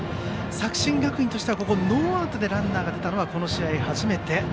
作新学院としてはノーアウトでランナーが出たのはこの試合初めて。